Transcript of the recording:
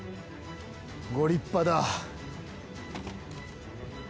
ご立派だ。